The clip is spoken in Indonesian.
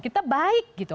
kita baik gitu